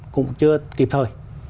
cũng chưa kịp thời